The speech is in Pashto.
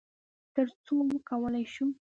تر څو وکولی شو،